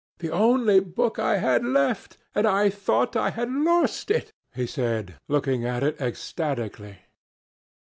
'The only book I had left, and I thought I had lost it,' he said, looking at it ecstatically.